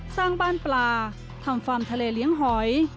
สร้างบ้านปลาทำฟาร์มทะเลเลี้ยงหอย